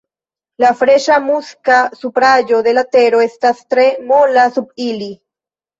La freŝa muska supraĵo de la tero estas tre mola sub ili.